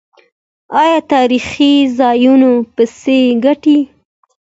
آیا تاریخي ځایونه پیسې ګټي؟